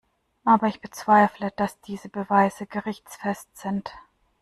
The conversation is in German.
Aber ich bezweifle, dass diese Beweise gerichtsfest sind.